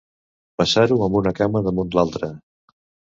Passar-ho amb una cama damunt l'altra.